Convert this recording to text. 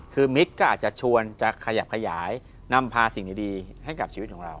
คือมิตรก็อาจจะชวนจะขยับขยายนำพาสิ่งดีให้กับชีวิตของเรา